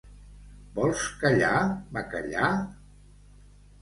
Vols callar, bacallà?